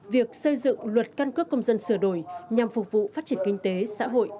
việc xây dựng luật căn cước công dân sửa đổi nhằm phục vụ phát triển kinh tế xã hội